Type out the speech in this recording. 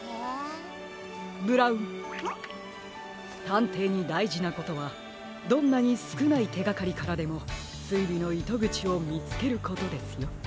たんていにだいじなことはどんなにすくないてがかりからでもすいりのいとぐちをみつけることですよ。